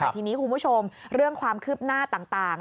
ทีนี้คุณผู้ชมเรื่องความคืบหน้าต่าง